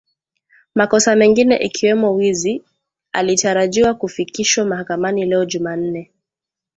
makosa mengine ikiwemo wizi, alitarajiwa kufikishwa mahakamani leo Jumanne